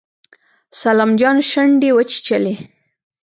سلام جان شونډې وچيچلې.